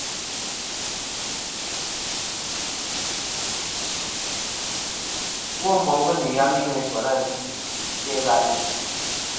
Womboŋ lem ighami ŋweyn Fyanantwi, nɨ Isæ-ila'i.